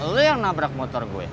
lo yang nabrak motor gue